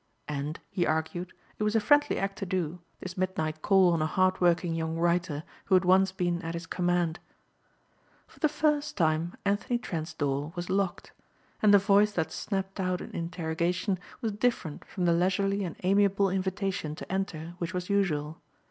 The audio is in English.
And, he argued, it was a friendly act to do, this midnight call on a hard working young writer who had once been at his command. For the first time Anthony Trent's door was locked. And the voice that snapped out an interrogation was different from the leisurely and amiable invitation to enter which was usual.